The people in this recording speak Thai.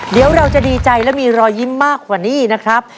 เดี๋ยวเราจะดีใจและมีรอยยิ้มมากกว่านี้นะครับ